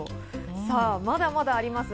さぁ、まだまだありますよ。